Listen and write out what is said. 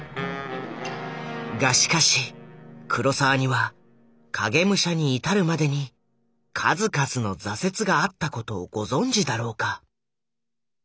がしかし黒澤には「影武者」に至るまでに数々の挫折があったことをご存じだろうか？